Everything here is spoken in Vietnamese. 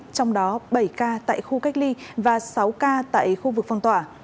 trong đó bảy ca tại khu cách ly và sáu ca tại khu vực phong tỏa